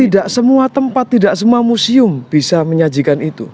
tidak semua tempat tidak semua museum bisa menyajikan itu